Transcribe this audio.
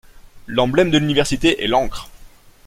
L’emblème de l’université est l’ancre.